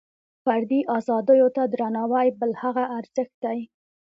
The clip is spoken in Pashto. فردي ازادیو ته درناوۍ بل هغه ارزښت دی.